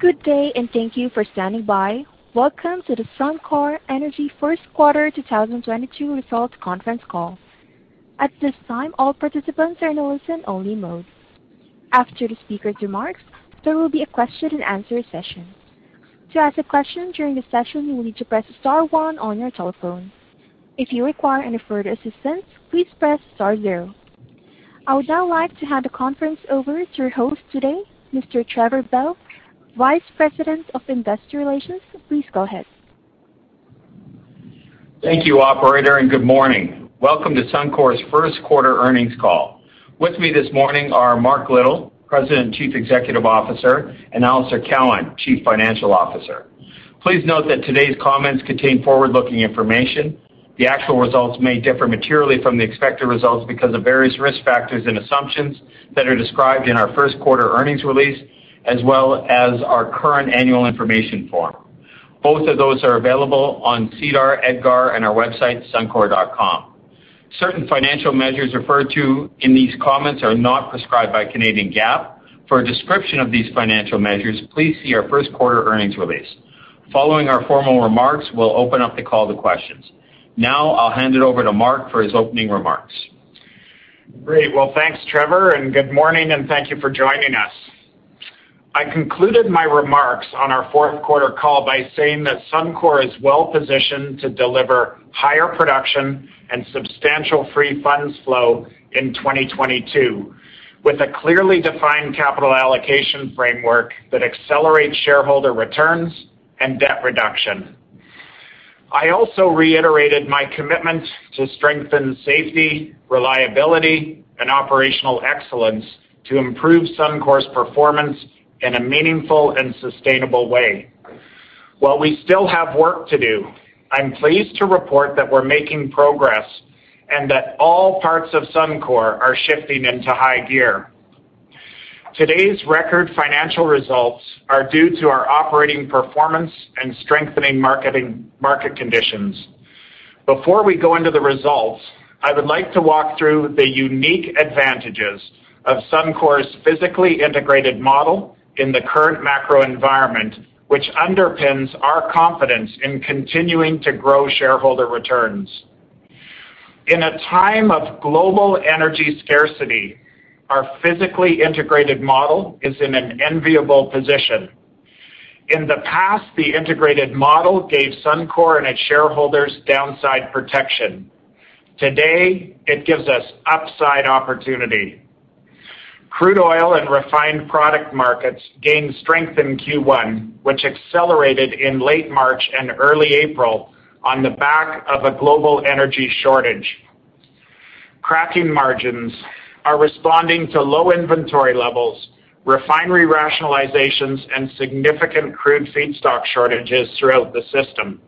Good day, and thank you for standing by. Welcome to the Suncor Energy first quarter 2022 results conference call. At this time, all participants are in a listen-only mode. After the speaker's remarks, there will be a question-and-answer session. To ask a question during the session, you will need to press star one on your telephone. If you require any further assistance, please press star zero. I would now like to hand the conference over to your host today, Mr. Trevor Bell, Vice President of Investor Relations. Please go ahead. Thank you, operator, and good morning. Welcome to Suncor's first quarter earnings call. With me this morning are Mark Little, President and Chief Executive Officer, and Alister Cowan, Chief Financial Officer. Please note that today's comments contain forward-looking information. The actual results may differ materially from the expected results because of various risk factors and assumptions that are described in our first quarter earnings release as well as our current annual information form. Both of those are available on SEDAR, EDGAR, and our website, suncor.com. Certain financial measures referred to in these comments are not prescribed by Canadian GAAP. For a description of these financial measures, please see our first quarter earnings release. Following our formal remarks, we'll open up the call to questions. Now I'll hand it over to Mark for his opening remarks. Great. Well, thanks, Trevor, and good morning, and thank you for joining us. I concluded my remarks on our fourth quarter call by saying that Suncor is well-positioned to deliver higher production and substantial free funds flow in 2022, with a clearly defined capital allocation framework that accelerates shareholder returns and debt reduction. I also reiterated my commitment to strengthen safety, reliability, and operational excellence to improve Suncor's performance in a meaningful and sustainable way. While we still have work to do, I'm pleased to report that we're making progress and that all parts of Suncor are shifting into high gear. Today's record financial results are due to our operating performance and strengthening market conditions. Before we go into the results, I would like to walk through the unique advantages of Suncor's physically integrated model in the current macro environment, which underpins our confidence in continuing to grow shareholder returns. In a time of global energy scarcity, our physically integrated model is in an enviable position. In the past, the integrated model gave Suncor and its shareholders downside protection. Today, it gives us upside opportunity. Crude oil and refined product markets gained strength in Q1, which accelerated in late March and early April on the back of a global energy shortage. Cracking margins are responding to low inventory levels, refinery rationalizations, and significant crude feedstock shortages throughout the system.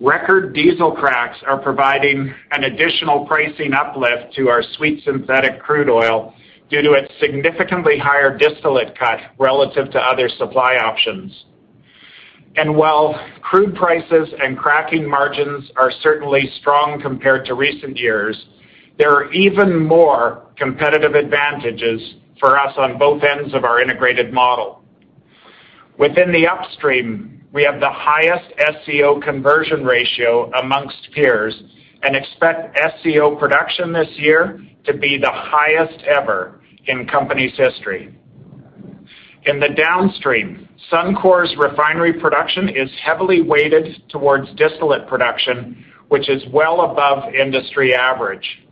Record diesel cracks are providing an additional pricing uplift to our sweet synthetic crude oil due to its significantly higher distillate cut relative to other supply options. While crude prices and cracking margins are certainly strong compared to recent years, there are even more competitive advantages for us on both ends of our integrated model. Within the upstream, we have the highest SCO conversion ratio among peers and expect SCO production this year to be the highest ever in company's history. In the downstream, Suncor's refinery production is heavily weighted towards distillate production, which is well above industry average.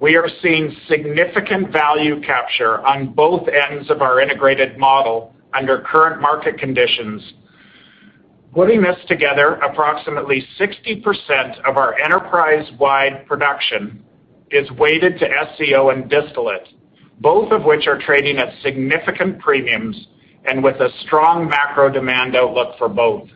We are seeing significant value capture on both ends of our integrated model under current market conditions. Putting this together, approximately 60% of our enterprise-wide production is weighted to SCO and distillate, both of which are trading at significant premiums and with a strong macro demand outlook for both.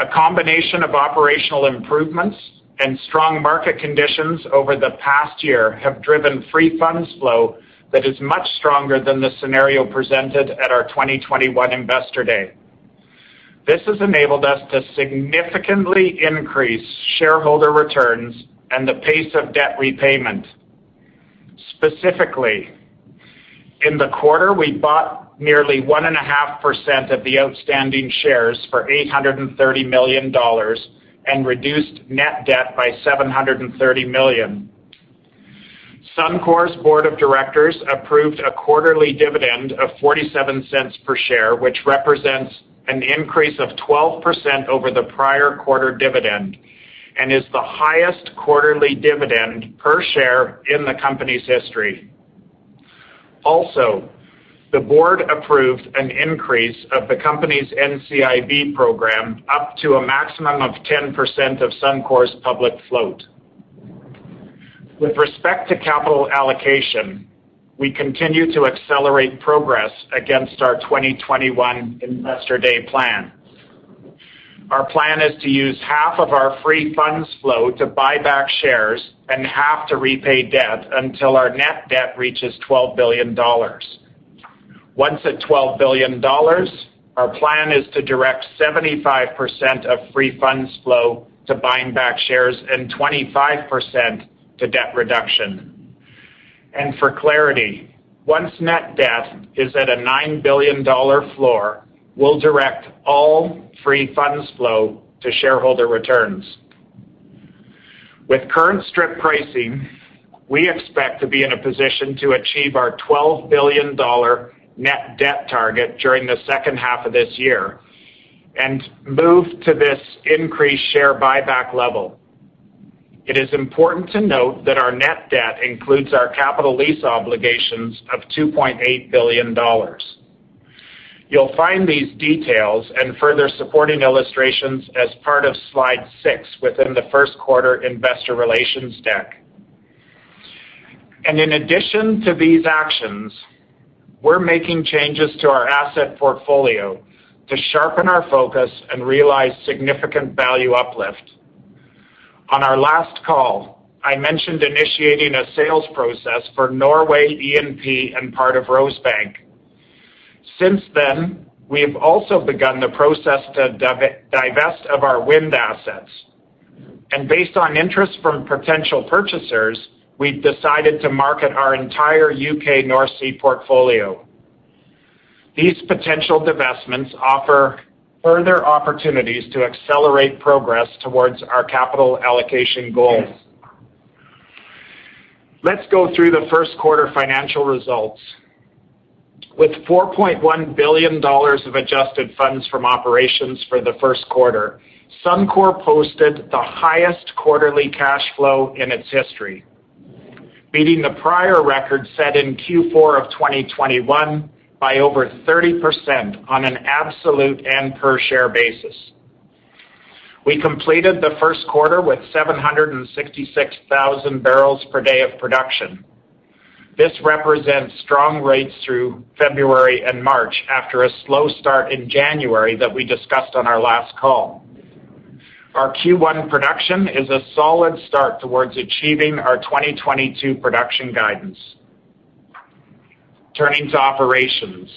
A combination of operational improvements and strong market conditions over the past year have driven free funds flow that is much stronger than the scenario presented at our 2021 Investor Day. This has enabled us to significantly increase shareholder returns and the pace of debt repayment. Specifically, in the quarter, we bought nearly 1.5% of the outstanding shares for 830 million dollars and reduced net debt by 730 million. Suncor's board of directors approved a quarterly dividend of 0.47 per share, which represents an increase of 12% over the prior quarter dividend and is the highest quarterly dividend per share in the company's history. Also, the board approved an increase of the company's NCIB program up to a maximum of 10% of Suncor's public float. With respect to capital allocation, we continue to accelerate progress against our 2021 Investor Day plan. Our plan is to use half of our free funds flow to buy back shares and half to repay debt until our net debt reaches 12 billion dollars. Once at 12 billion dollars, our plan is to direct 75% of free funds flow to buying back shares and 25% to debt reduction. For clarity, once net debt is at a 9 billion dollar floor, we'll direct all free funds flow to shareholder returns. With current strip pricing, we expect to be in a position to achieve our 12 billion dollar net debt target during the second half of this year and move to this increased share buyback level. It is important to note that our net debt includes our capital lease obligations of 2.8 billion dollars. You'll find these details and further supporting illustrations as part of slide six within the first quarter investor relations deck. In addition to these actions, we're making changes to our asset portfolio to sharpen our focus and realize significant value uplift. On our last call, I mentioned initiating a sales process for Norway E&P and part of Rosebank. Since then, we have also begun the process to divest of our wind assets. Based on interest from potential purchasers, we've decided to market our entire U.K. North Sea portfolio. These potential divestments offer further opportunities to accelerate progress towards our capital allocation goals. Let's go through the first quarter financial results. With 4.1 billion dollars of adjusted funds from operations for the first quarter, Suncor posted the highest quarterly cash flow in its history, beating the prior record set in Q4 of 2021 by over 30% on an absolute and per-share basis. We completed the first quarter with 766,000 barrels per day of production. This represents strong rates through February and March after a slow start in January that we discussed on our last call. Our Q1 production is a solid start towards achieving our 2022 production guidance. Turning to operations.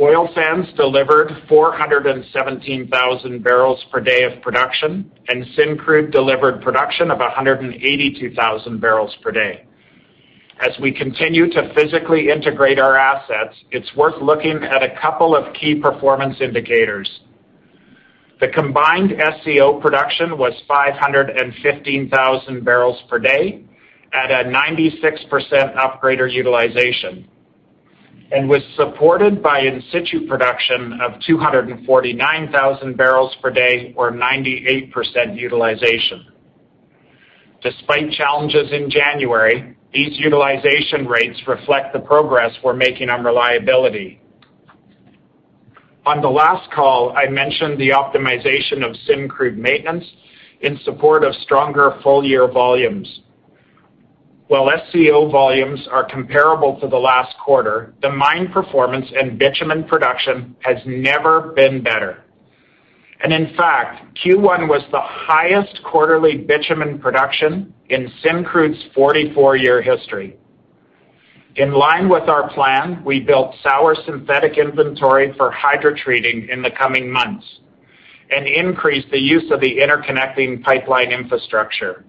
Oil sands delivered 417,000 barrels per day of production, and Syncrude delivered production of 182,000 barrels per day. As we continue to physically integrate our assets, it's worth looking at a couple of key performance indicators. The combined SCO production was 515,000 barrels per day at a 96% upgrader utilization and was supported by in-situ production of 249,000 barrels per day or 98% utilization. Despite challenges in January, these utilization rates reflect the progress we're making on reliability. On the last call, I mentioned the optimization of Syncrude maintenance in support of stronger full-year volumes. While SCO volumes are comparable to the last quarter, the mine performance and bitumen production has never been better. In fact, Q1 was the highest quarterly bitumen production in Syncrude's 44-year history. In line with our plan, we built sour synthetic inventory for hydrotreating in the coming months and increased the use of the interconnecting pipeline infrastructure.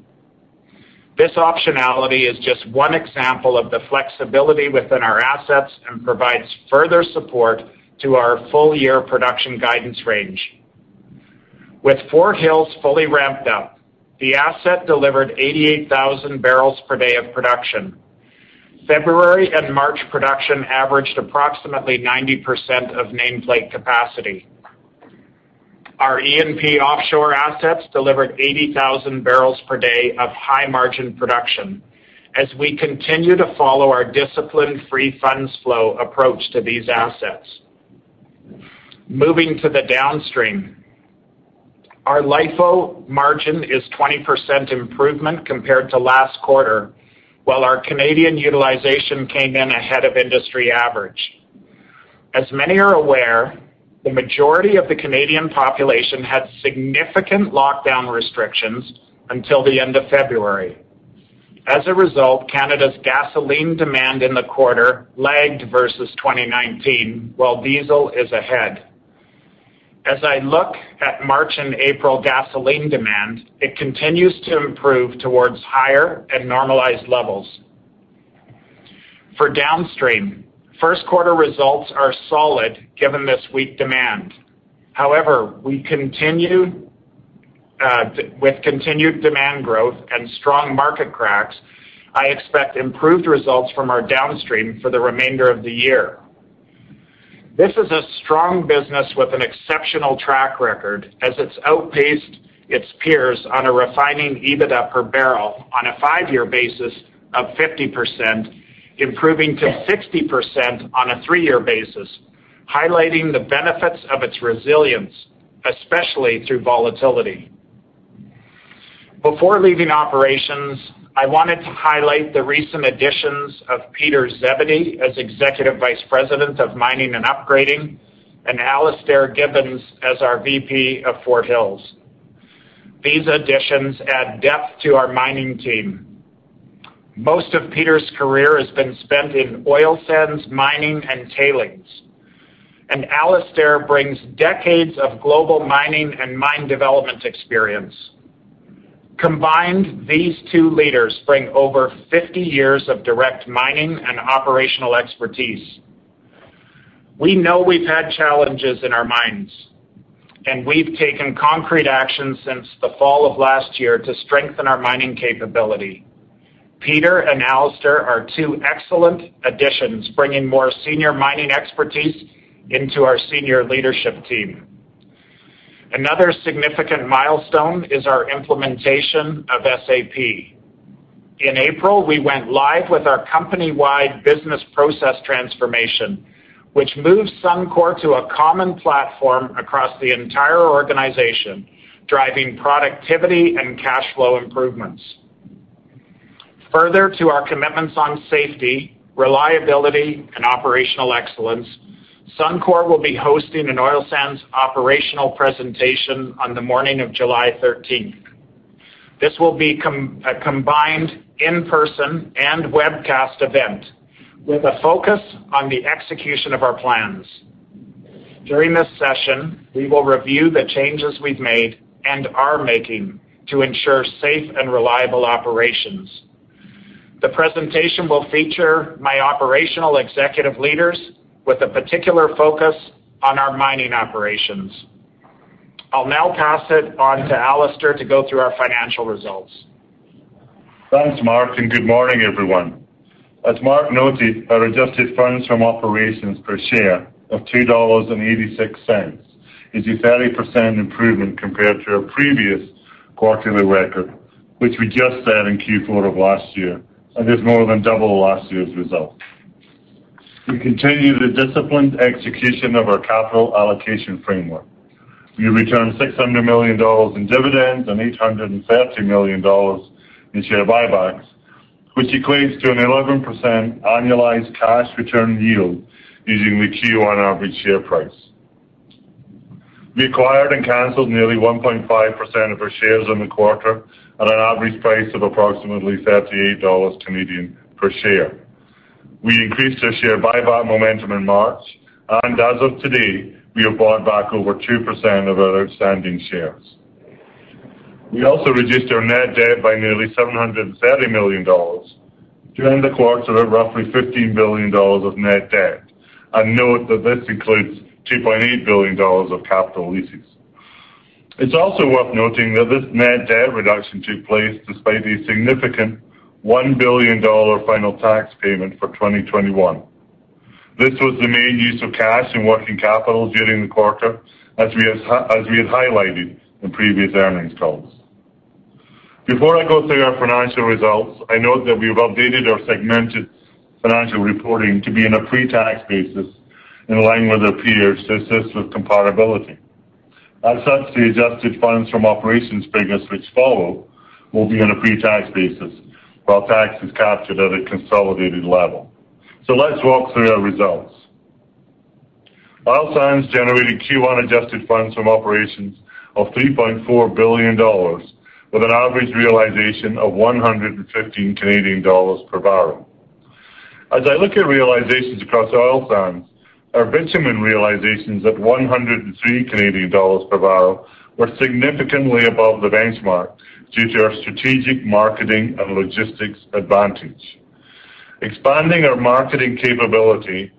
This optionality is just one example of the flexibility within our assets and provides further support to our full-year production guidance range. With Fort Hills fully ramped up, the asset delivered 88,000 barrels per day of production. February and March production averaged approximately 90% of nameplate capacity. Our E&P offshore assets delivered 80,000 barrels per day of high-margin production as we continue to follow our disciplined free funds flow approach to these assets. Moving to the downstream, our LIFO margin is 20% improvement compared to last quarter, while our Canadian utilization came in ahead of industry average. As many are aware, the majority of the Canadian population had significant lockdown restrictions until the end of February. As a result, Canada's gasoline demand in the quarter lagged versus 2019, while diesel is ahead. As I look at March and April gasoline demand, it continues to improve towards higher and normalized levels. For downstream, first quarter results are solid given this weak demand. However, we continue with continued demand growth and strong market cracks. I expect improved results from our downstream for the remainder of the year. This is a strong business with an exceptional track record as it's outpaced its peers on a refining EBITDA per barrel on a five-year basis of 50%, improving to 60% on a three-year basis, highlighting the benefits of its resilience, especially through volatility. Before leaving operations, I wanted to highlight the recent additions of Peter Zebedee as Executive Vice President of Mining and Upgrading and Alisdair Gibbons as our VP of Fort Hills. These additions add depth to our mining team. Most of Peter's career has been spent in oil sands mining and tailings. Alisdair brings decades of global mining and mine development experience. Combined, these two leaders bring over 50 years of direct mining and operational expertise. We know we've had challenges in our mines, and we've taken concrete actions since the fall of last year to strengthen our mining capability. Peter and Alisdair are two excellent additions, bringing more senior mining expertise into our senior leadership team. Another significant milestone is our implementation of SAP. In April, we went live with our company-wide business process transformation, which moves Suncor to a common platform across the entire organization, driving productivity and cash flow improvements. Further to our commitments on safety, reliability, and operational excellence, Suncor will be hosting an oil sands operational presentation on the morning of July 13th. This will be a combined in-person and webcast event with a focus on the execution of our plans. During this session, we will review the changes we've made and are making to ensure safe and reliable operations. The presentation will feature my operational executive leaders with a particular focus on our mining operations. I'll now pass it on to Alister to go through our financial results. Thanks, Mark, and good morning, everyone. As Mark noted, our adjusted funds from operations per share of 2.86 dollars is a 30% improvement compared to our previous quarterly record, which we just set in Q4 of last year, and is more than double last year's result. We continue the disciplined execution of our capital allocation framework. We returned 600 million dollars in dividends and 830 million dollars in share buybacks, which equates to an 11% annualized cash return yield using the Q1 average share price. We acquired and canceled nearly 1.5% of our shares in the quarter at an average price of approximately 38 Canadian dollars per share. We increased our share buyback momentum in March, and as of today, we have bought back over 2% of our outstanding shares. We also reduced our net debt by nearly 730 million dollars during the quarter of roughly 15 billion dollars of net debt. Note that this includes 2.8 billion dollars of capital leases. It's also worth noting that this net debt reduction took place despite a significant 1 billion dollar final tax payment for 2021. This was the main use of cash and working capital during the quarter as we have highlighted in previous earnings calls. Before I go through our financial results, I note that we have updated our segmented financial reporting to be in a pre-tax basis in line with our peers to assist with comparability. As such, the adjusted funds from operations figures which follow will be on a pre-tax basis, while tax is captured at a consolidated level. Let's walk through our results. Oil sands generated Q1 adjusted funds from operations of 3.4 billion dollars with an average realization of 115 Canadian dollars per barrel. As I look at realizations across oil sands, our bitumen realizations at 103 Canadian dollars per barrel were significantly above the benchmark due to our strategic marketing and logistics advantage. Expanding our marketing capability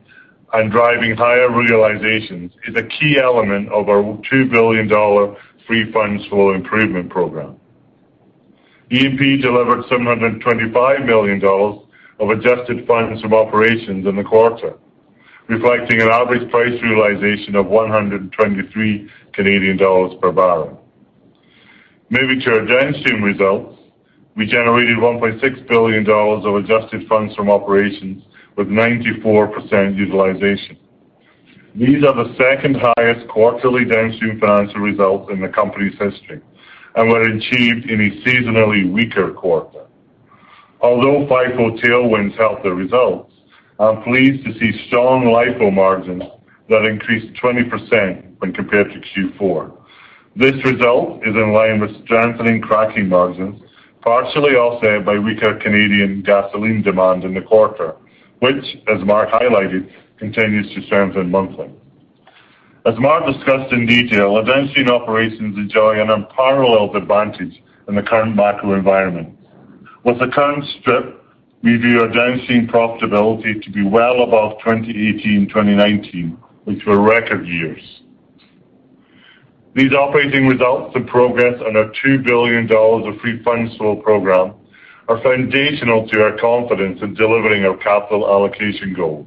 and driving higher realizations is a key element of our 2 billion dollar free funds flow improvement program. E&P delivered 725 million dollars of adjusted funds from operations in the quarter, reflecting an average price realization of 123 Canadian dollars per barrel. Moving to our downstream results, we generated 1.6 billion dollars of adjusted funds from operations with 94% utilization. These are the second highest quarterly downstream financial results in the company's history and were achieved in a seasonally weaker quarter. Although FIFO tailwinds helped the results, I'm pleased to see strong LIFO margins that increased 20% when compared to Q4. This result is in line with strengthening cracking margins, partially offset by weaker Canadian gasoline demand in the quarter, which, as Mark highlighted, continues to strengthen monthly. As Mark discussed in detail, our downstream operations enjoy an unparalleled advantage in the current macro environment. With the current strip, we view our downstream profitability to be well above 2018, 2019, which were record years. These operating results and progress on our 2 billion dollars free funds flow program are foundational to our confidence in delivering our capital allocation goals,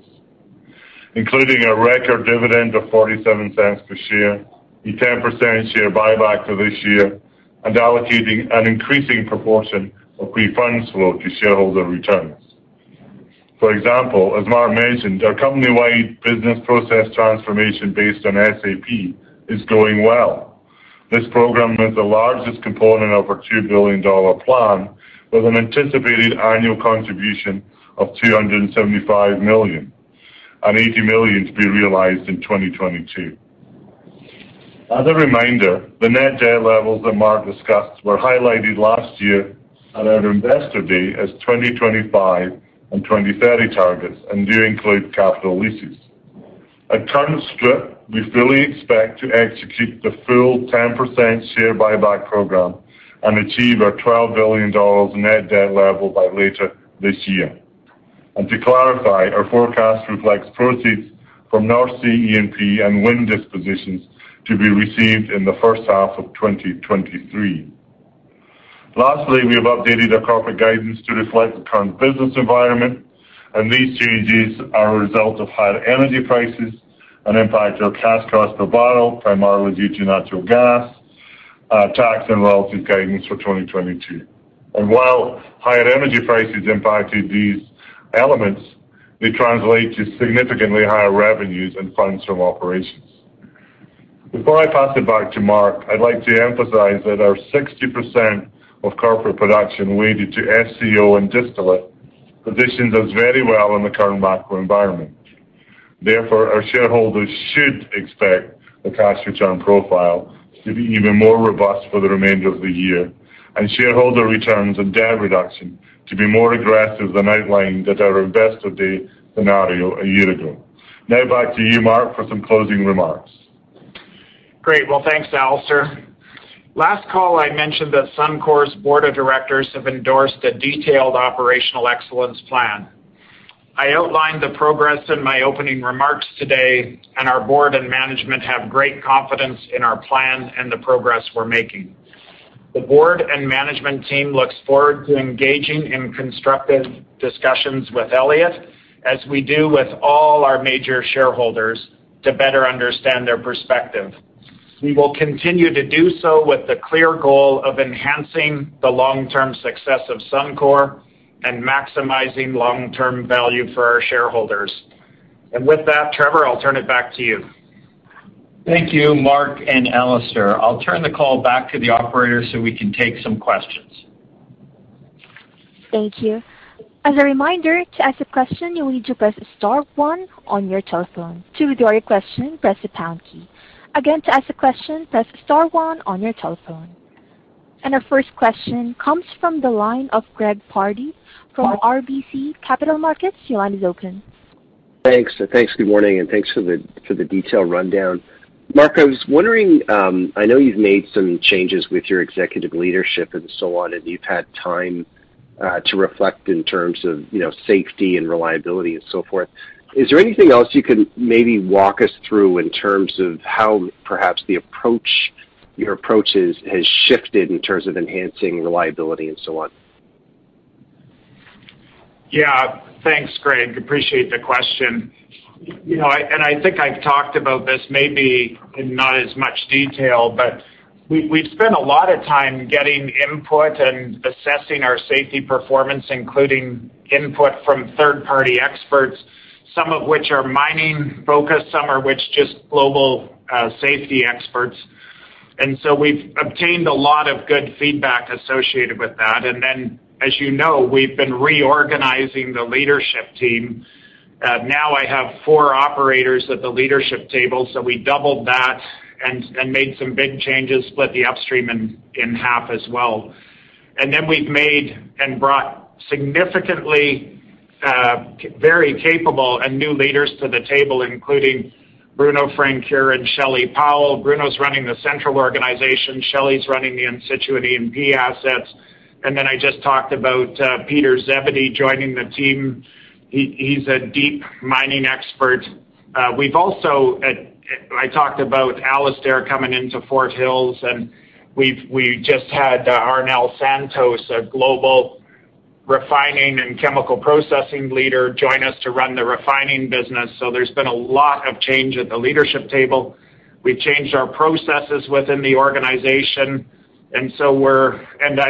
including a record dividend of 0.47 per share, a 10% share buyback for this year, and allocating an increasing proportion of free funds flow to shareholder returns. For example, as Mark mentioned, our company-wide business process transformation based on SAP is going well. This program is the largest component of our 2 billion dollar plan with an anticipated annual contribution of 275 million and 80 million to be realized in 2022. As a reminder, the net debt levels that Mark discussed were highlighted last year at our Investor Day as 2025 and 2030 targets and do include capital leases. At current strip, we fully expect to execute the full 10% share buyback program and achieve our 12 billion dollar net debt level by later this year. To clarify, our forecast reflects proceeds from North Sea E&P and wind dispositions to be received in the first half of 2023. Lastly, we have updated our corporate guidance to reflect the current business environment, and these changes are a result of higher energy prices and impact our cash cost per barrel, primarily due to natural gas, tax and royalty payments for 2022. While higher energy prices impacted these elements, they translate to significantly higher revenues and funds from operations. Before I pass it back to Mark, I'd like to emphasize that our 60% of corporate production weighted to SCO and distillate positions us very well in the current macro environment. Therefore, our shareholders should expect the cash return profile to be even more robust for the remainder of the year, and shareholder returns and debt reduction to be more aggressive than outlined at our Investor Day scenario a year ago. Now back to you, Mark, for some closing remarks. Great. Well, thanks, Alister. Last call, I mentioned that Suncor's board of directors have endorsed a detailed operational excellence plan. I outlined the progress in my opening remarks today, and our board and management have great confidence in our plan and the progress we're making. The board and management team looks forward to engaging in constructive discussions with Elliott, as we do with all our major shareholders to better understand their perspective. We will continue to do so with the clear goal of enhancing the long-term success of Suncor and maximizing long-term value for our shareholders. With that, Trevor, I'll turn it back to you. Thank you, Mark and Alister. I'll turn the call back to the operator so we can take some questions. Thank you. As a reminder, to ask a question, you'll need to press star one on your telephone. To withdraw your question, press the pound key. Again, to ask a question, press star one on your telephone. Our first question comes from the line of Greg Pardy from RBC Capital Markets. Your line is open. Thanks. Good morning, and thanks for the detailed rundown. Mark, I was wondering, I know you've made some changes with your executive leadership and so on, and you've had time to reflect in terms of, you know, safety and reliability and so forth. Is there anything else you can maybe walk us through in terms of how perhaps the approach, your approach has shifted in terms of enhancing reliability and so on? Yeah. Thanks, Greg. Appreciate the question. You know, I think I've talked about this maybe in not as much detail, but we've spent a lot of time getting input and assessing our safety performance, including input from third-party experts, some of which are mining-focused, some of which are just global safety experts. We've obtained a lot of good feedback associated with that. As you know, we've been reorganizing the leadership team. Now I have four operators at the leadership table, so we doubled that and made some big changes, split the upstream in half as well. We've made and brought significantly very capable and new leaders to the table, including Bruno Francoeur and Shelley Powell. Bruno's running the central organization, Shelley's running the in-situ E&P assets. I just talked about Peter Zebedee joining the team. He's a deep mining expert. We've also I talked about Alisdair coming into Fort Hills, and we just had Arnel Santos, a global refining and chemical processing leader, join us to run the refining business. There's been a lot of change at the leadership table. We've changed our processes within the organization. I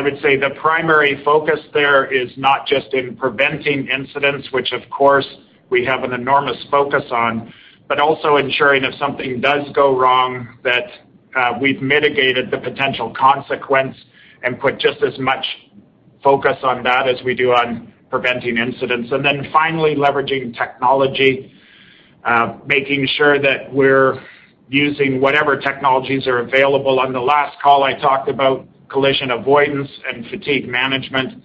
would say the primary focus there is not just in preventing incidents, which of course we have an enormous focus on, but also ensuring if something does go wrong, that we've mitigated the potential consequence and put just as much focus on that as we do on preventing incidents. Finally, leveraging technology, making sure that we're using whatever technologies are available. On the last call, I talked about collision avoidance and fatigue management.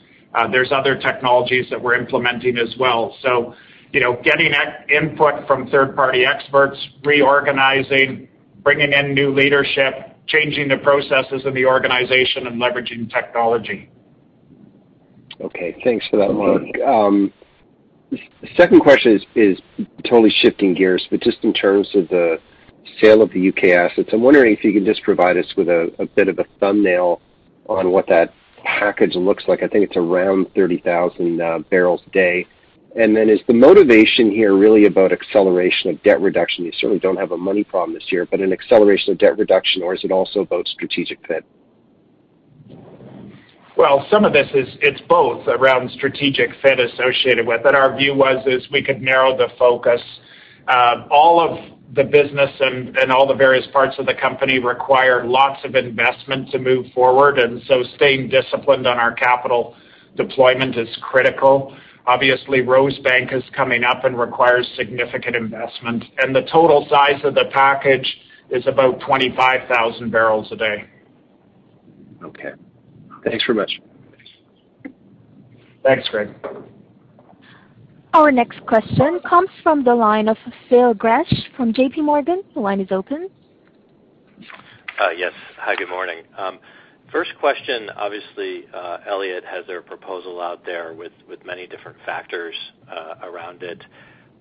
There's other technologies that we're implementing as well. You know, getting input from third-party experts, reorganizing, bringing in new leadership, changing the processes of the organization and leveraging technology. Okay. Thanks for that, Mark. Second question is totally shifting gears, but just in terms of the sale of the U.K. assets. I'm wondering if you can just provide us with a bit of a thumbnail on what that package looks like. I think it's around 30,000 barrels a day. Is the motivation here really about acceleration of debt reduction? You certainly don't have a money problem this year, but an acceleration of debt reduction, or is it also about strategic fit? Well, some of this is, it's both around strategic fit associated with it. Our view is we could narrow the focus. All of the business and all the various parts of the company require lots of investment to move forward, and so staying disciplined on our capital deployment is critical. Obviously, Rosebank is coming up and requires significant investment, and the total size of the package is about 25,000 barrels a day. Thanks very much. Thanks, Greg. Our next question comes from the line of Phil Gresh from JPMorgan. Your line is open. Yes. Hi, good morning. First question, obviously, Elliott has their proposal out there with many different factors around it.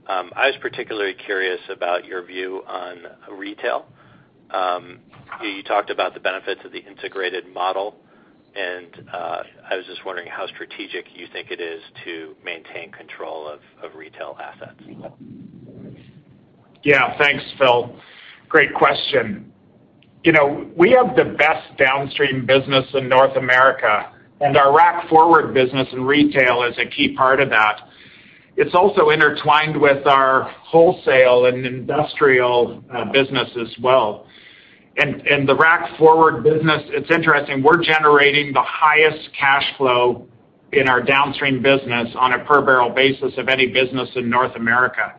I was particularly curious about your view on retail. You talked about the benefits of the integrated model, and I was just wondering how strategic you think it is to maintain control of retail assets. Yeah. Thanks, Phil. Great question. You know, we have the best downstream business in North America, and our Rack Forward business and retail is a key part of that. It's also intertwined with our wholesale and industrial business as well. The Rack Forward business, it's interesting, we're generating the highest cash flow in our downstream business on a per barrel basis of any business in North America.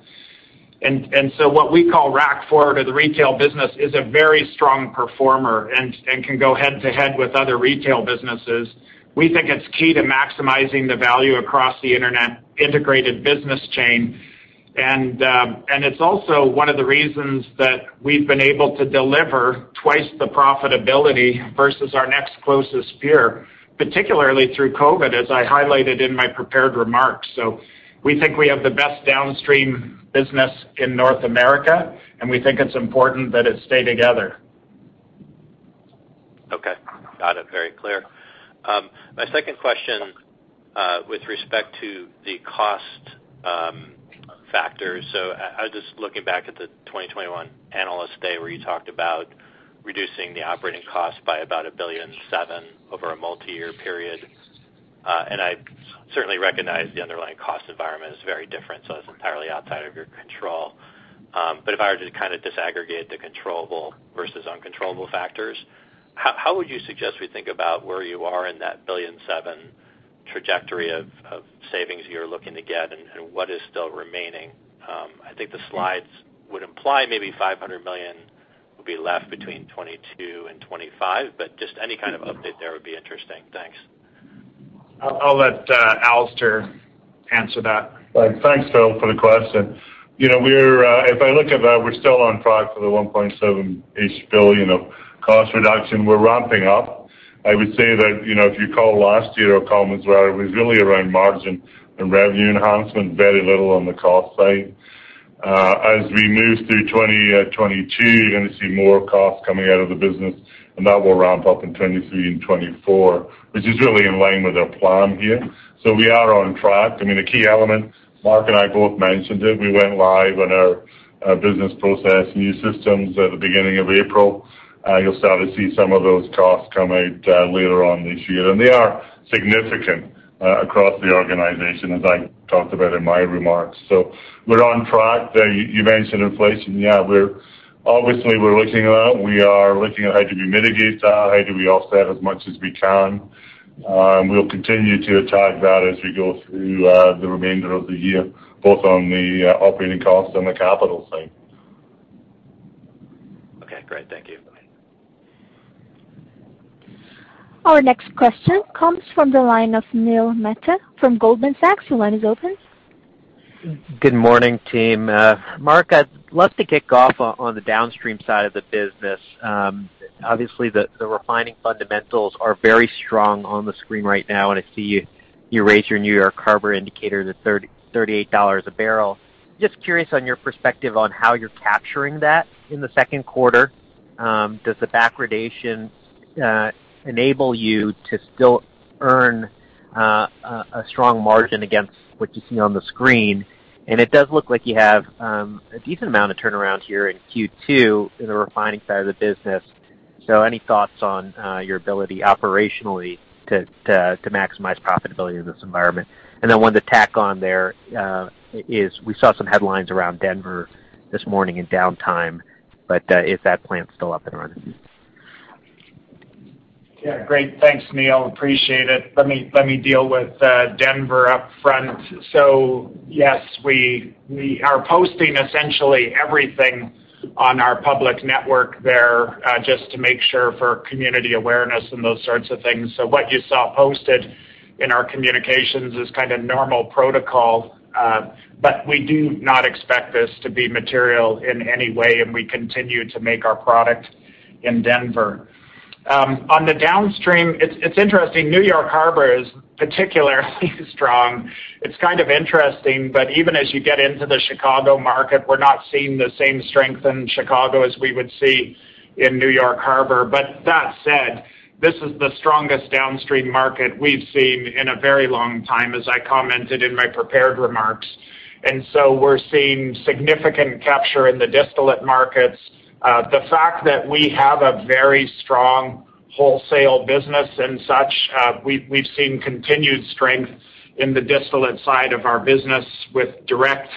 So what we call Rack Forward or the retail business is a very strong performer and can go head-to-head with other retail businesses. We think it's key to maximizing the value across the integrated business chain. It's also one of the reasons that we've been able to deliver twice the profitability versus our next closest peer, particularly through COVID, as I highlighted in my prepared remarks. We think we have the best downstream business in North America, and we think it's important that it stay together. Okay. Got it. Very clear. My second question, with respect to the cost factors. I was just looking back at the 2021 Analyst Day where you talked about reducing the operating cost by about 1.7 billion over a multiyear period. I certainly recognize the underlying cost environment is very different, so that's entirely outside of your control. If I were to kind of disaggregate the controllable versus uncontrollable factors, how would you suggest we think about where you are in that 1.7 billion trajectory of savings you're looking to get and what is still remaining? I think the slides would imply maybe 500 million will be left between 2022 and 2025, but just any kind of update there would be interesting. Thanks. I'll let Alister answer that. Thanks, Phil, for the question. You know, if I look at that, we're still on track for the 1.7 billion-ish of cost reduction. We're ramping up. I would say that, you know, if you recall last year or Q1 as well, it was really around margin and revenue enhancement, very little on the cost side. As we move through 2022, you're gonna see more costs coming out of the business, and that will ramp up in 2023 and 2024, which is really in line with our plan here. We are on track. I mean, a key element, Mark and I both mentioned it. We went live on our business process new systems at the beginning of April. You'll start to see some of those costs come out later on this year. They are significant across the organization, as I talked about in my remarks. We're on track. You mentioned inflation. Yeah, we're obviously looking at that. We are looking at how do we mitigate that, how do we offset as much as we can. We'll continue to attack that as we go through the remainder of the year, both on the operating cost and the capital side. Okay, great. Thank you. Our next question comes from the line of Neil Mehta from Goldman Sachs. Your line is open. Good morning, team. Mark, I'd love to kick off on the downstream side of the business. Obviously, the refining fundamentals are very strong on the screen right now, and I see you raised your New York Harbor indicator to $38 a barrel. Just curious on your perspective on how you're capturing that in the second quarter. Does the backwardation enable you to still earn a strong margin against what you see on the screen? It does look like you have a decent amount of turnaround here in Q2 in the refining side of the business. Any thoughts on your ability operationally to maximize profitability in this environment? Then one to tack on there, is we saw some headlines around Denver this morning in downtime, but is that plant still up and running? Yeah, great. Thanks, Neil. Appreciate it. Let me deal with Denver up front. Yes, we are posting essentially everything on our public network there, just to make sure for community awareness and those sorts of things. What you saw posted in our communications is kind of normal protocol, but we do not expect this to be material in any way, and we continue to make our product in Denver. On the downstream, it's interesting. New York Harbor is particularly strong. It's kind of interesting, but even as you get into the Chicago market, we're not seeing the same strength in Chicago as we would see in New York Harbor. That said, this is the strongest downstream market we've seen in a very long time, as I commented in my prepared remarks. We're seeing significant capture in the distillate markets. The fact that we have a very strong wholesale business and such, we've seen continued strength in the distillate side of our business with direct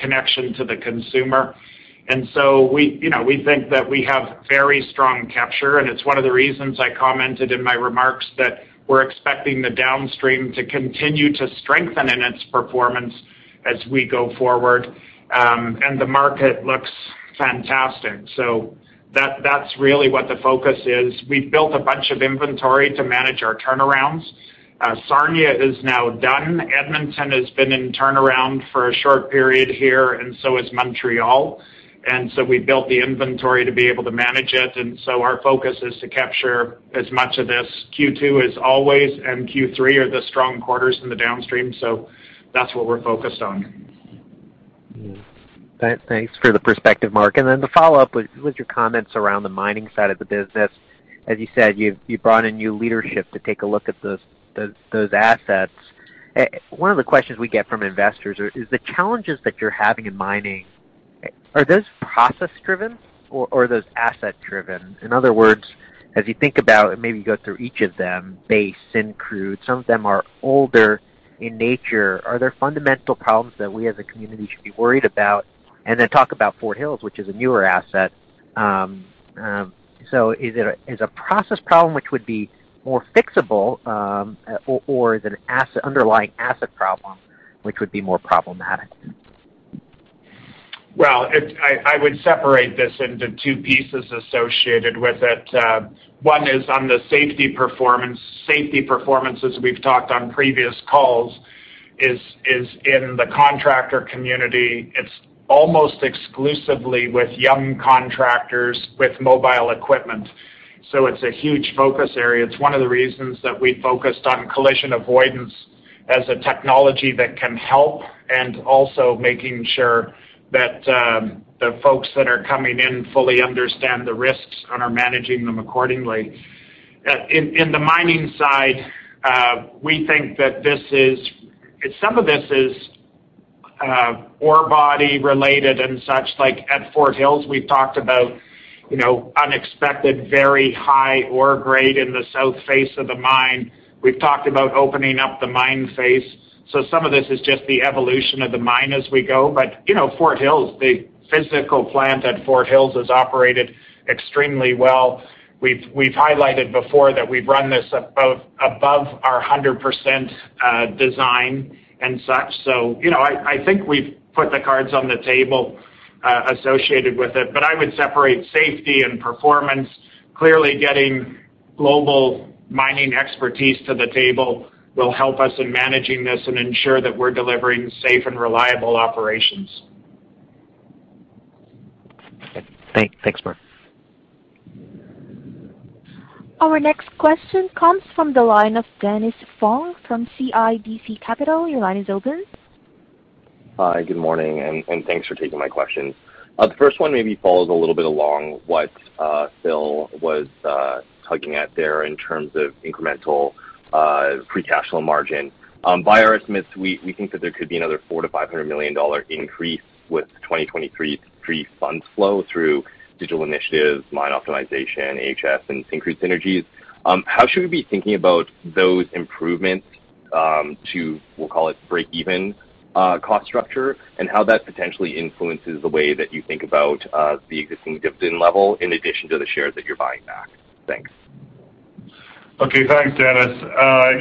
connection to the consumer. We, you know, we think that we have very strong capture, and it's one of the reasons I commented in my remarks that we're expecting the downstream to continue to strengthen in its performance as we go forward, and the market looks fantastic. That's really what the focus is. We've built a bunch of inventory to manage our turnarounds. Sarnia is now done. Edmonton has been in turnaround for a short period here, and so is Montreal. We built the inventory to be able to manage it. Our focus is to capture as much of this. Q2 is always, and Q3 are the strong quarters in the downstream, so that's what we're focused on. Thanks for the perspective, Mark. The follow-up with your comments around the mining side of the business. As you said, you've brought in new leadership to take a look at those assets. One of the questions we get from investors is the challenges that you're having in mining, are those process driven or are those asset driven? In other words, as you think about and maybe go through each of them, Base Syncrude, some of them are older in nature. Are there fundamental problems that we as a community should be worried about? Talk about Fort Hills, which is a newer asset. Is it a process problem which would be more fixable, or is it an underlying asset problem which would be more problematic? Well, I would separate this into two pieces associated with it. One is on the safety performance. Safety performance, as we've talked on previous calls, is in the contractor community. It's almost exclusively with young contractors with mobile equipment. So it's a huge focus area. It's one of the reasons that we focused on collision avoidance as a technology that can help, and also making sure that the folks that are coming in fully understand the risks and are managing them accordingly. In the mining side, we think that some of this is ore body related and such. Like at Fort Hills, we've talked about, you know, unexpected, very high ore grade in the south face of the mine. We've talked about opening up the mine face. Some of this is just the evolution of the mine as we go. Fort Hills, the physical plant at Fort Hills has operated extremely well. We've highlighted before that we've run this at both above our 100%, design and such. I think we've put the cards on the table associated with it. I would separate safety and performance. Clearly, getting global mining expertise to the table will help us in managing this and ensure that we're delivering safe and reliable operations. Okay. Thanks, Mark. Our next question comes from the line of Dennis Fong from CIBC Capital. Your line is open. Hi, good morning, and thanks for taking my questions. The first one maybe follows a little bit along what Phil was tugging at there in terms of incremental free cash flow margin. By our estimates, we think that there could be another 400 million-500 million dollar increase with 2023 free funds flow through digital initiatives, mine optimization, AHS, and Syncrude synergies. How should we be thinking about those improvements to, we'll call it, breakeven cost structure, and how that potentially influences the way that you think about the existing dividend level in addition to the shares that you're buying back? Thanks. Okay. Thanks, Dennis.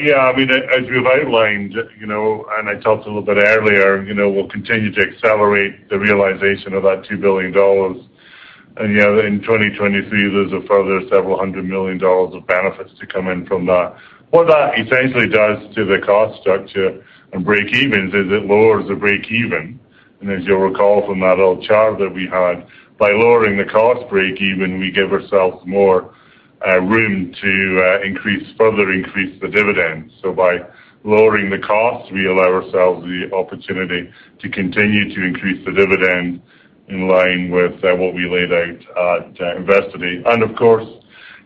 Yeah, I mean, as you've outlined, you know, and I talked a little bit earlier, you know, we'll continue to accelerate the realization of that 2 billion dollars. In 2023, there's a further several hundred million dollars of benefits to come in from that. What that essentially does to the cost structure and breakevens is it lowers the breakeven. As you'll recall from that old chart that we had, by lowering the cost breakeven, we give ourselves more room to further increase the dividend. By lowering the cost, we allow ourselves the opportunity to continue to increase the dividend in line with what we laid out at Investor Day. Of course,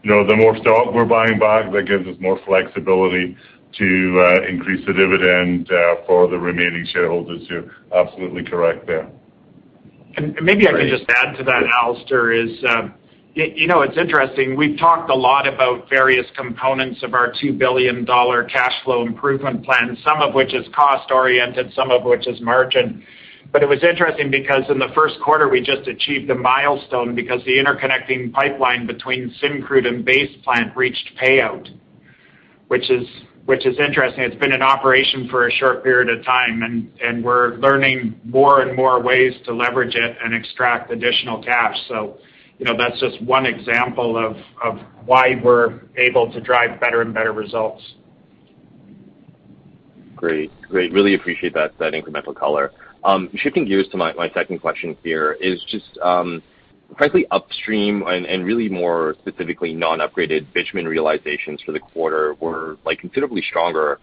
you know, the more stock we're buying back, that gives us more flexibility to increase the dividend for the remaining shareholders. You're absolutely correct there. Maybe I can just add to that, Alister. You know, it's interesting. We've talked a lot about various components of our 2 billion dollar cash flow improvement plan, some of which is cost-oriented, some of which is margin. It was interesting because in the first quarter, we just achieved a milestone because the interconnecting pipeline between Syncrude and base plant reached payout, which is interesting. It's been in operation for a short period of time, and we're learning more and more ways to leverage it and extract additional cash. You know, that's just one example of why we're able to drive better and better results. Great. Really appreciate that incremental color. Shifting gears to my second question here is just, frankly, upstream and really more specifically, non-upgraded bitumen realizations for the quarter were, like, considerably stronger,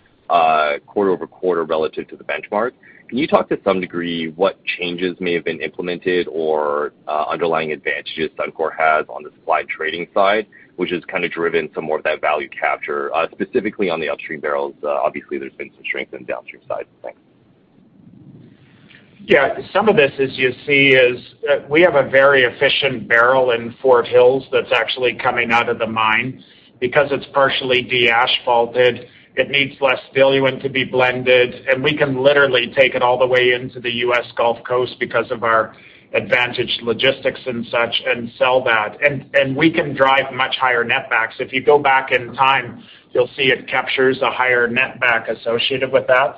quarter-over-quarter relative to the benchmark. Can you talk to some degree what changes may have been implemented or, underlying advantages Suncor has on the supply trading side, which has kind of driven some more of that value capture, specifically on the upstream barrels? Obviously, there's been some strength in the downstream side. Thanks. Yeah. Some of this, as you see, is we have a very efficient barrel in Fort Hills that's actually coming out of the mine. Because it's partially de-asphalted, it needs less diluent to be blended, and we can literally take it all the way into the U.S. Gulf Coast because of our advantaged logistics and such, and sell that. We can drive much higher netbacks. If you go back in time, you'll see it captures a higher netback associated with that.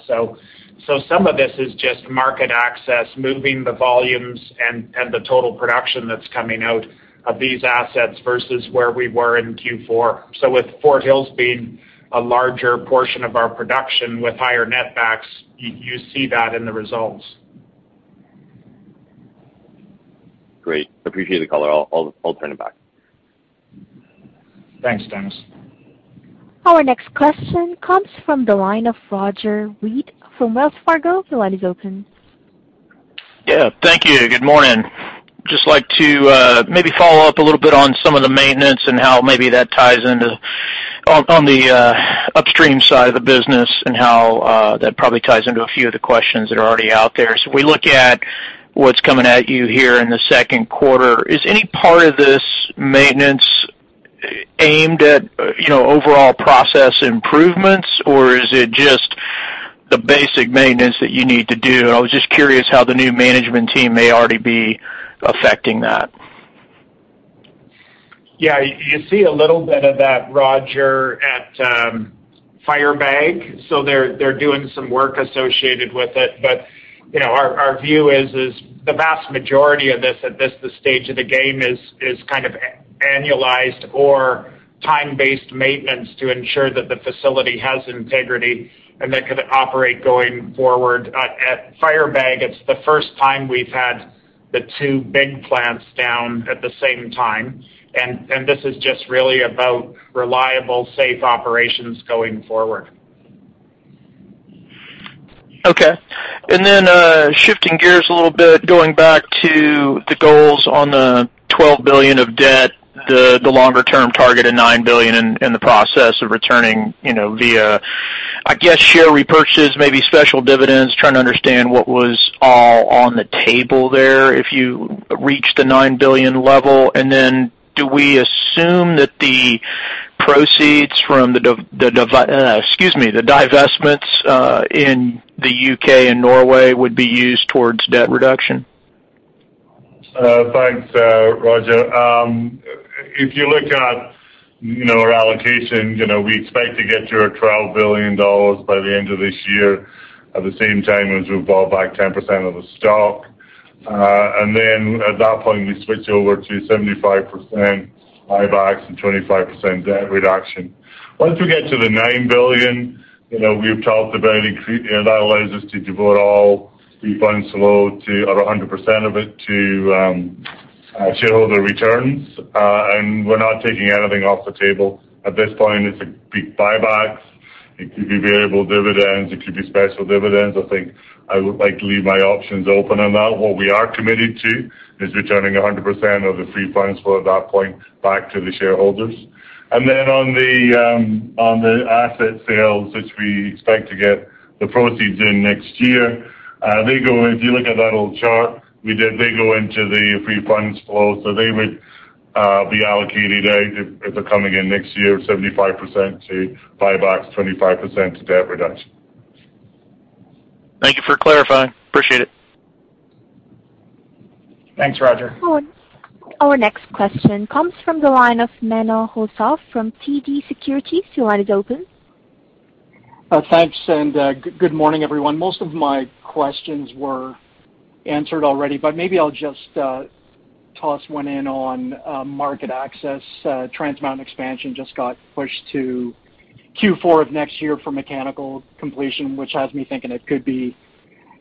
Some of this is just market access, moving the volumes and the total production that's coming out of these assets versus where we were in Q4. With Fort Hills being a larger portion of our production with higher netbacks, you see that in the results. Great. Appreciate the color. I'll turn it back. Thanks, Dennis. Our next question comes from the line of Roger Read from Wells Fargo. Your line is open. Yeah, thank you. Good morning. Just like to maybe follow up a little bit on some of the maintenance and how maybe that ties into on the upstream side of the business, and how that probably ties into a few of the questions that are already out there. We look at what's coming at you here in the second quarter. Is any part of this maintenance aimed at, you know, overall process improvements, or is it just the basic maintenance that you need to do? I was just curious how the new management team may already be affecting that. Yeah. You see a little bit of that, Roger, at Firebag. They're doing some work associated with it. You know, our view is the vast majority of this at this the stage of the game is kind of annualized or time-based maintenance to ensure that the facility has integrity and they can operate going forward. At Firebag, it's the first time we've had the two big plants down at the same time. This is just really about reliable, safe operations going forward. Okay. Shifting gears a little bit, going back to the goals on the 12 billion of debt, the longer-term target of 9 billion in the process of returning, you know, via, I guess, share repurchases, maybe special dividends. Trying to understand what was all on the table there if you reach the 9 billion level. Do we assume that the proceeds from the divestments in the U.K. and Norway would be used towards debt reduction? Thanks, Roger. If you look at, you know, our allocation, you know, we expect to get to 12 billion dollars by the end of this year, at the same time as we buy back 10% of the stock. Then at that point, we switch over to 75% buybacks and 25% debt reduction. Once we get to 9 billion, you know, we've talked about and that allows us to devote all free funds flow to, or 100% of it to, shareholder returns. We're not taking anything off the table. At this point, it could be buybacks, it could be variable dividends, it could be special dividends. I think I would like to leave my options open on that. What we are committed to is returning 100% of the free funds flow at that point back to the shareholders. Then on the asset sales, which we expect to get the proceeds in next year, they go in. If you look at that old chart we did, they go into the free funds flow. They would be allocated out if they're coming in next year, 75% to buybacks, 25% to debt reduction. Thank you for clarifying. Appreciate it. Thanks, Roger. Our next question comes from the line of Menno Hulshof from TD Securities. Your line is open. Thanks, good morning, everyone. Most of my questions were answered already, but maybe I'll just toss one in on market access. Trans Mountain expansion just got pushed to Q4 of next year for mechanical completion, which has me thinking it could be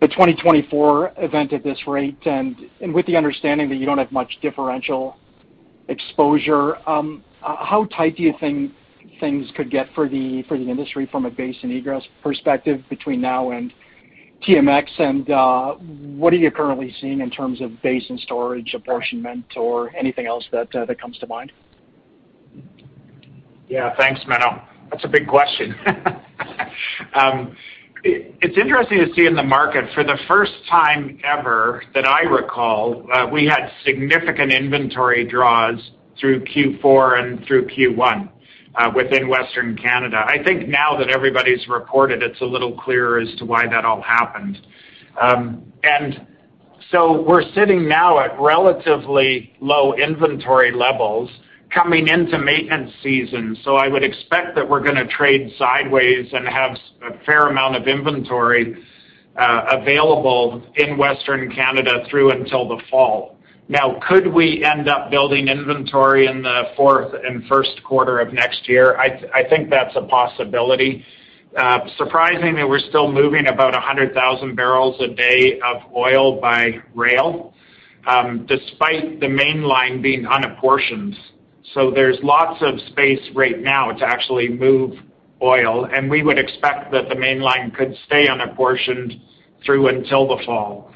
the 2024 event at this rate. With the understanding that you don't have much differential exposure, how tight do you think things could get for the industry from a basin and egress perspective between now and TMX? What are you currently seeing in terms of basin storage apportionment or anything else that comes to mind? Thanks, Menno. That's a big question. It's interesting to see in the market for the first time ever that I recall, we had significant inventory draws through Q4 and through Q1 within Western Canada. I think now that everybody's reported, it's a little clearer as to why that all happened. We're sitting now at relatively low inventory levels coming into maintenance season. I would expect that we're gonna trade sideways and have a fair amount of inventory available in Western Canada through until the fall. Now, could we end up building inventory in the fourth and first quarter of next year? I think that's a possibility. Surprisingly, we're still moving about 100,000 barrels a day of oil by rail, despite the mainline being unapportioned. There's lots of space right now to actually move oil, and we would expect that the mainline could stay unapportioned through until the fall.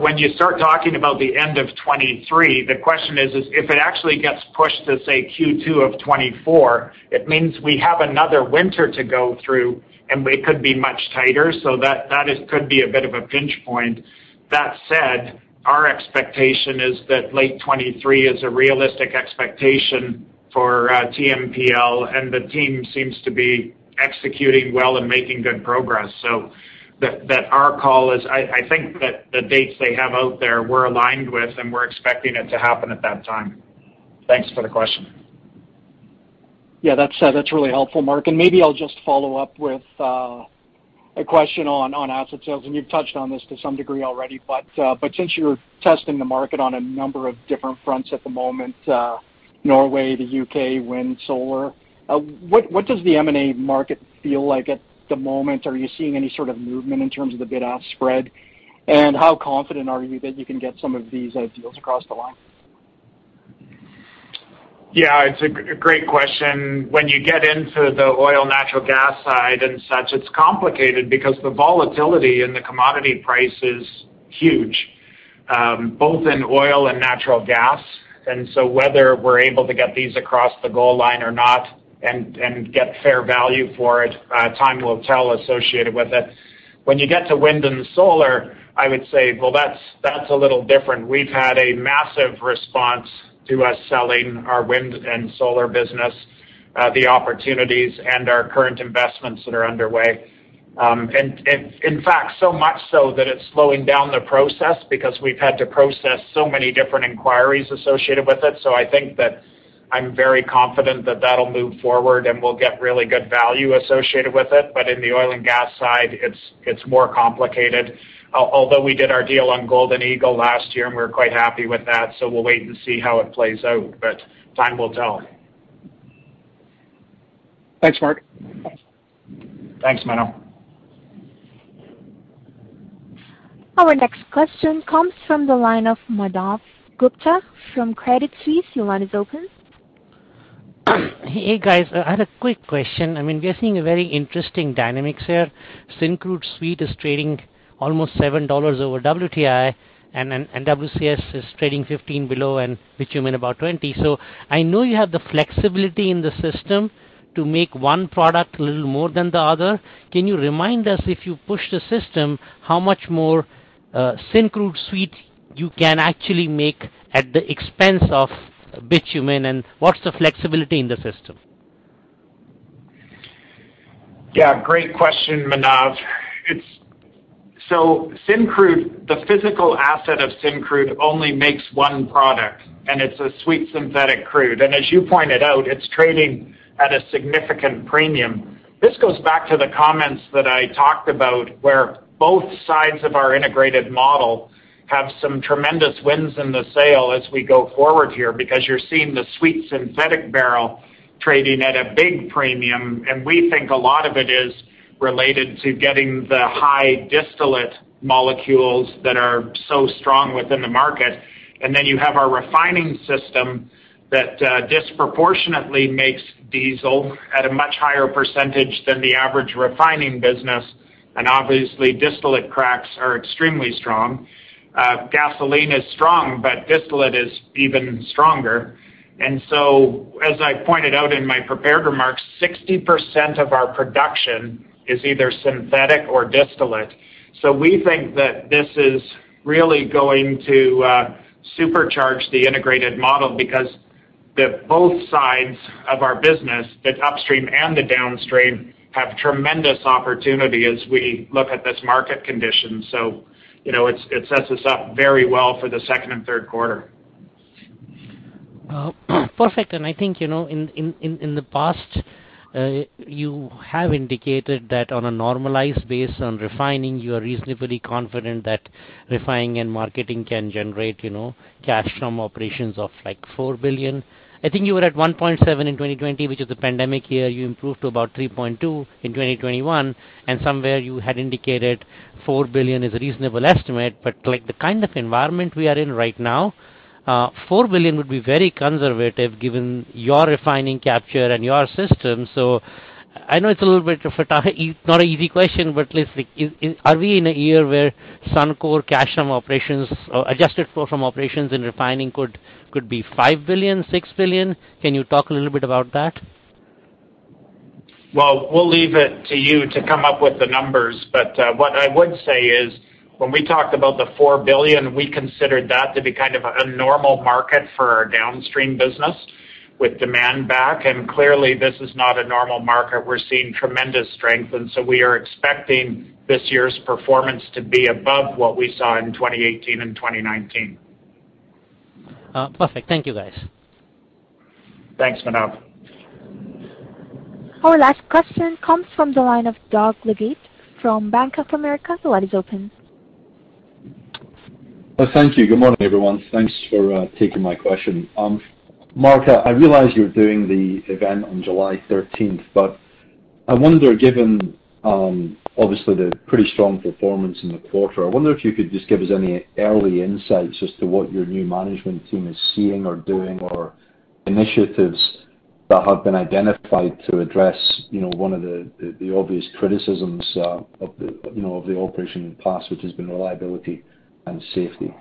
When you start talking about the end of 2023, the question is if it actually gets pushed to, say, Q2 of 2024, it means we have another winter to go through, and we could be much tighter. That could be a bit of a pinch point. That said, our expectation is that late 2023 is a realistic expectation for TMPL, and the team seems to be executing well and making good progress. That's our call, I think that the dates they have out there we're aligned with, and we're expecting it to happen at that time. Thanks for the question. Yeah, that's really helpful, Mark. Maybe I'll just follow up with a question on asset sales, and you've touched on this to some degree already. But since you're testing the market on a number of different fronts at the moment. Norway, the U.K., wind, solar. What does the M&A market feel like at the moment? Are you seeing any sort of movement in terms of the bid-ask spread? How confident are you that you can get some of these deals across the line? Yeah, it's a great question. When you get into the oil and natural gas side and such, it's complicated because the volatility in the commodity price is huge, both in oil and natural gas. Whether we're able to get these across the goal line or not and get fair value for it, time will tell associated with it. When you get to wind and solar, I would say, well, that's a little different. We've had a massive response to us selling our wind and solar business, the opportunities and our current investments that are underway. In fact, so much so that it's slowing down the process because we've had to process so many different inquiries associated with it. I think that I'm very confident that that'll move forward, and we'll get really good value associated with it. In the oil and gas side, it's more complicated. Although we did our deal on Golden Eagle last year, and we're quite happy with that, so we'll wait and see how it plays out. Time will tell. Thanks, Mark. Thanks, Menno. Our next question comes from the line of Manav Gupta from Credit Suisse. Your line is open. Hey, guys, I had a quick question. I mean, we are seeing a very interesting dynamics here. Syncrude SCO is trading almost $7 over WTI, and WCS is trading 15 below and bitumen about 20. I know you have the flexibility in the system to make one product a little more than the other. Can you remind us if you push the system, how much more Syncrude SCO you can actually make at the expense of bitumen, and what's the flexibility in the system? Yeah, great question, Manav. Syncrude, the physical asset of Syncrude only makes one product, and it's a sweet synthetic crude. As you pointed out, it's trading at a significant premium. This goes back to the comments that I talked about where both sides of our integrated model have some tremendous wins in the sale as we go forward here because you're seeing the sweet synthetic barrel trading at a big premium. We think a lot of it is related to getting the high distillate molecules that are so strong within the market. You have our refining system that disproportionately makes diesel at a much higher percentage than the average refining business. Obviously, distillate cracks are extremely strong. Gasoline is strong, but distillate is even stronger. As I pointed out in my prepared remarks, 60% of our production is either synthetic or distillate. We think that this is really going to supercharge the integrated model because both sides of our business, the upstream and the downstream, have tremendous opportunity as we look at this market condition. You know, it sets us up very well for the second and third quarter. Perfect. I think, you know, in the past, you have indicated that on a normalized basis on refining, you are reasonably confident that refining and marketing can generate, you know, cash from operations of, like, 4 billion. I think you were at 1.7 in 2020, which is the pandemic year. You improved to about 3.2 in 2021, and somewhere you had indicated 4 billion is a reasonable estimate. Like, the kind of environment we are in right now, 4 billion would be very conservative given your refining capture and your system. I know it's a little bit of a not an easy question, but at least, like, are we in a year where Suncor cash from operations or adjusted funds from operations and refining could be 5 billion, 6 billion? Can you talk a little bit about that? Well, we'll leave it to you to come up with the numbers. What I would say is, when we talked about the 4 billion, we considered that to be kind of a normal market for our downstream business with demand back. Clearly, this is not a normal market. We're seeing tremendous strength, and so we are expecting this year's performance to be above what we saw in 2018 and 2019. Perfect. Thank you, guys. Thanks, Manav. Our last question comes from the line of Doug Leggate from Bank of America. The line is open. Thank you. Good morning, everyone. Thanks for taking my question. Mark, I realize you're doing the event on July thirteenth, but I wonder, given obviously the pretty strong performance in the quarter, I wonder if you could just give us any early insights as to what your new management team is seeing or doing or initiatives that have been identified to address, you know, one of the obvious criticisms of the operation in the past, which has been reliability and safety.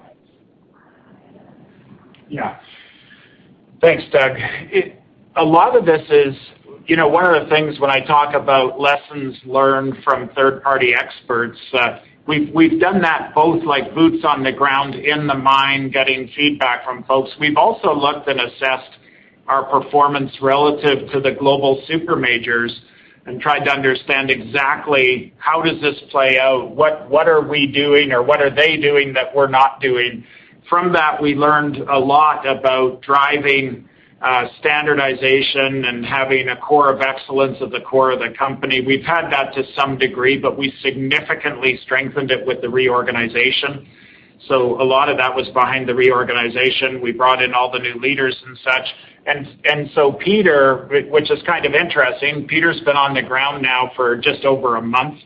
Yeah. Thanks, Doug. A lot of this is, you know, one of the things when I talk about lessons learned from third-party experts, we've done that both like boots on the ground in the mine, getting feedback from folks. We've also looked and assessed our performance relative to the global super majors and tried to understand exactly how does this play out, what are we doing or what are they doing that we're not doing. From that, we learned a lot about driving standardization and having a core of excellence at the core of the company. We've had that to some degree, but we significantly strengthened it with the reorganization. A lot of that was behind the reorganization. We brought in all the new leaders and such. Peter, which is kind of interesting, Peter's been on the ground now for just over a month.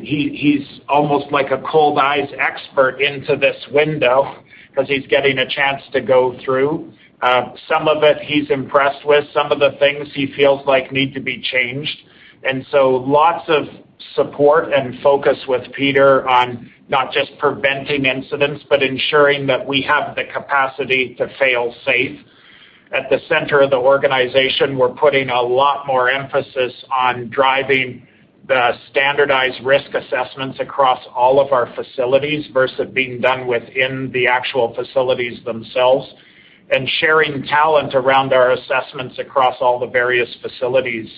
He, he's almost like a cold eyes expert into this window 'cause he's getting a chance to go through. Some of it, he's impressed with. Some of the things, he feels like need to be changed. Lots of support and focus with Peter on not just preventing incidents, but ensuring that we have the capacity to fail safe. At the center of the organization, we're putting a lot more emphasis on driving the standardized risk assessments across all of our facilities versus being done within the actual facilities themselves, and sharing talent around our assessments across all the various facilities.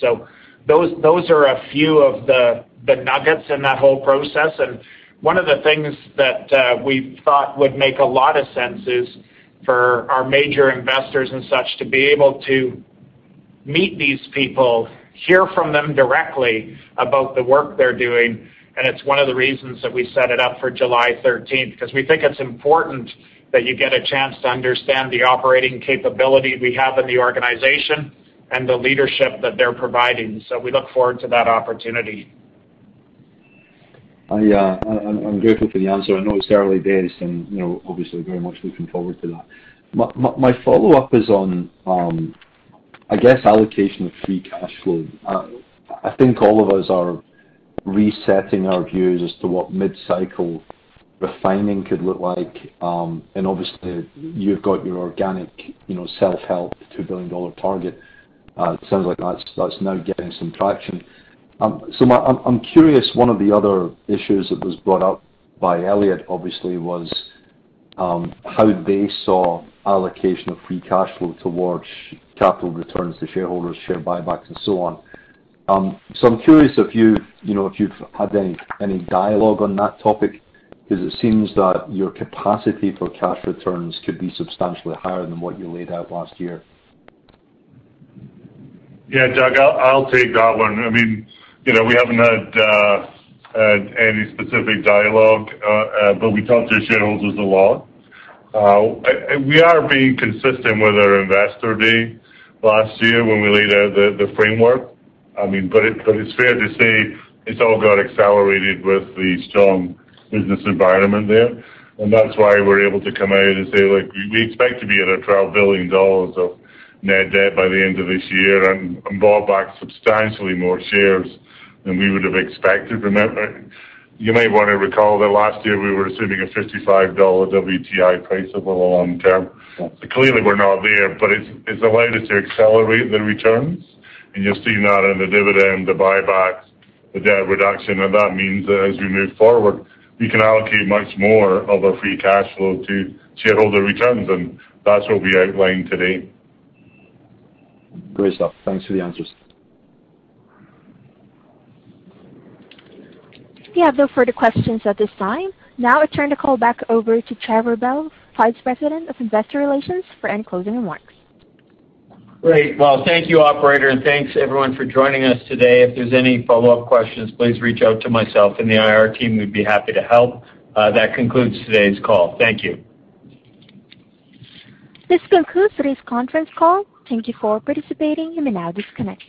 Those are a few of the nuggets in that whole process. One of the things that we thought would make a lot of sense is for our major investors and such to be able to meet these people, hear from them directly about the work they're doing, and it's one of the reasons that we set it up for July thirteenth. 'Cause we think it's important that you get a chance to understand the operating capability we have in the organization and the leadership that they're providing. We look forward to that opportunity. I'm grateful for the answer. I know it's early days and, you know, obviously very much looking forward to that. My follow-up is on, I guess allocation of free cash flow. I think all of us are resetting our views as to what mid-cycle refining could look like. Obviously you've got your organic, you know, self-help CAD 2 billion target. It sounds like that's now getting some traction. I'm curious, one of the other issues that was brought up by Elliott obviously was how they saw allocation of free cash flow towards capital returns to shareholders, share buybacks and so on. I'm curious if you know, if you've had any dialogue on that topic, 'cause it seems that your capacity for cash returns could be substantially higher than what you laid out last year. Yeah, Doug, I'll take that one. I mean, you know, we haven't had any specific dialogue, but we talk to shareholders a lot. We are being consistent with our Investor Day last year when we laid out the framework. I mean, it's fair to say it's all got accelerated with the strong business environment there. That's why we're able to come out and say, like, we expect to be at 12 billion dollars of net debt by the end of this year and bought back substantially more shares than we would have expected. Remember, you may wanna recall that last year we were assuming a $55 WTI price over the long term. Yes. Clearly we're not there, but it's allowed us to accelerate the returns. You're seeing that in the dividend, the buybacks, the debt reduction, and that means that as we move forward, we can allocate much more of our free cash flow to shareholder returns, and that's what we outlined today. Great stuff. Thanks for the answers. We have no further questions at this time. Now I turn the call back over to Trevor Bell, Vice President of Investor Relations for any closing remarks. Great. Well, thank you, operator, and thanks everyone for joining us today. If there's any follow-up questions, please reach out to myself and the IR team, we'd be happy to help. That concludes today's call. Thank you. This concludes today's conference call. Thank you for participating. You may now disconnect.